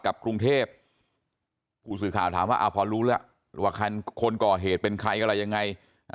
กรุงเทพผู้สื่อข่าวถามว่าพอรู้แล้วว่าคนก่อเหตุเป็นใครอะไรยังไง